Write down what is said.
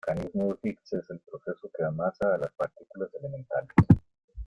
El mecanismo de Higgs es el proceso que da masa a las partículas elementales.